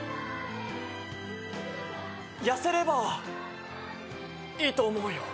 痩せればいいと思うよ。